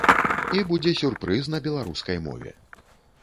І будзе сюрпрыз на беларускай мове.